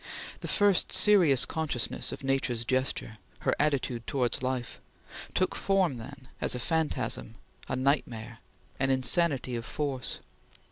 The first serious consciousness of Nature's gesture her attitude towards life took form then as a phantasm, a nightmare, an insanity of force.